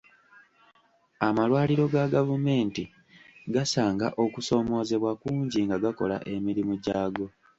Amalwaliro ga gavumenti gasanga okusoomoozebwa kungi nga gakola emirimu gyaago.